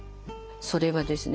それはですね